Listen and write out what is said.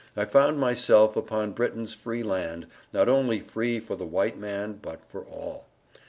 I found myself upon Briton's free land, not only free for the white man bot for all.